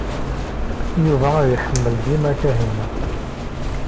Yuba ad iḥemmel dima Kahina.